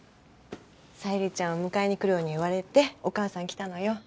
さゆりちゃんを迎えに来るように言われて、お母さん来たのよ。